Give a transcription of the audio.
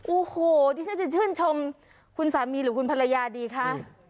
โอ้โหดิฉันจะชื่นชมคุณสามีหรือคุณภรรยาดีคะ